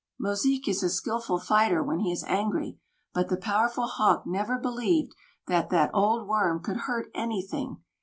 Mosique is a skilful fighter when he is angry; but the powerful Hawk never believed that that old worm could hurt anything.